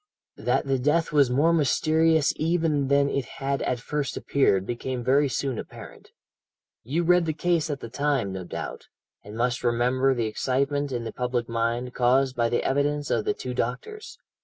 "That the death was more mysterious even than it had at first appeared became very soon apparent. You read the case at the time, no doubt, and must remember the excitement in the public mind caused by the evidence of the two doctors.